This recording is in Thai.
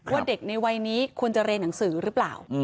ว่าเด็กในวัยนี้ควรจะเรียนหนังสือหรือเปล่า